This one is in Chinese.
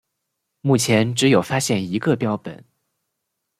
目前只有发现一个标本。